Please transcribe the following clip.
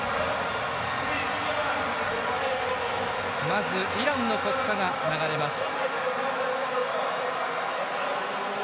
まずイランの国歌が流れます。